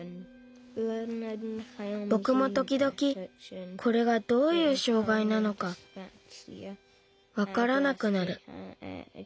ぼくもときどきこれがどういう障害なのかわからなくなる。